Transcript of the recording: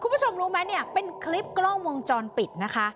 คุณผู้ชมรู้ไหมเนี่ยเป็นคลิปกล้องวงจรปิดนะคะ